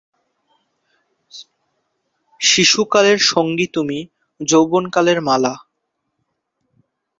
শিশু কালের সঙ্গী তুমি যৌবন কালের মালা।